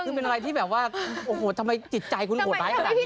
คือเป็นอะไรที่แบบว่าโอ้โหทำไมจิตใจคุณโหดร้ายขนาดนี้